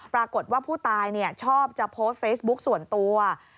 ปรากฏว่าผู้ตายชอบจะโพสต์เฟซบุ๊คส่วนตัว